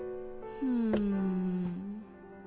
うん。